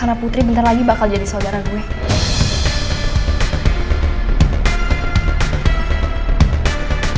karena putri bentar lagi bakal jadi saudara gue